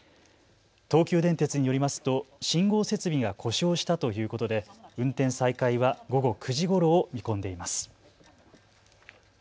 東急電鉄によりますと信号設備が故障したということで運転再開は午後９時ごろを見込んでいます。